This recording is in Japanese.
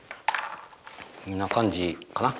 こんな感じかな。